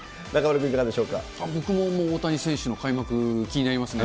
僕も大谷選手の開幕、気になりますね。